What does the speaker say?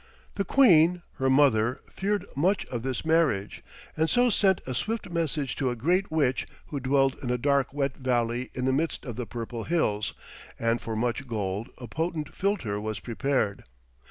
The queen, her mother, feared much of this marriage, and so sent a swift message to a great witch who dwelled in a dark wet valley in the midst of the Purple Hills, and for much gold a potent philtre was prepared.